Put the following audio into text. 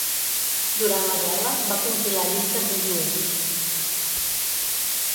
Durant la guerra va compilar llistes de jueus.